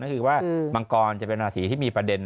ก็คือว่ามังกรจะเป็นราศีที่มีประเด็น